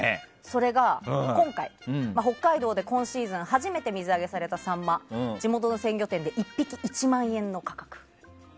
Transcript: それが今回北海道で今シーズン初めて水揚げされたサンマ地元の鮮魚店で１匹１万円の価格。